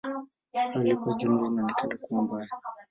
Hali kwa ujumla inaonekana kuwa mbaya.